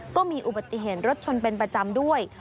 ก็มีอุบัติเหตุรถชนเป็นประจำด้วย